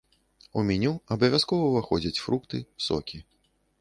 У меню абавязкова ўваходзяць фрукты, сокі.